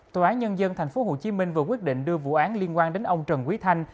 tòa án nhân dân tp hcm vừa quyết định đưa vụ án liên quan đến ông trần quý thanh